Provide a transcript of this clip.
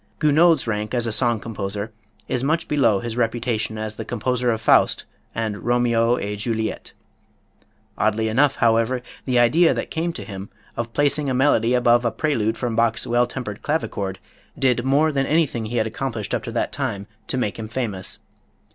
Gounod's rank as a song composer is much below his reputation as the composer of "Faust" and "Romeo et Juliette." Oddly enough, however, the idea that came to him of placing a melody above a prelude from Bach's "Well Tempered Clavichord" did more than anything he had accomplished up to that time to make him famous.